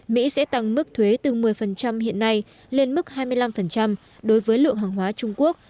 mỹ sẽ tăng mức thuế từ một mươi hiện nay lên mức hai mươi năm đối với lượng hàng hóa trung quốc